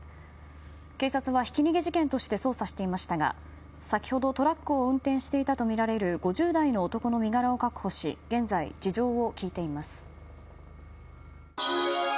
警察は、ひき逃げ事件として捜査していましたが先ほど、トラックを運転していたとみられる５０代の男の身柄を確保し現在、事情を聴いています。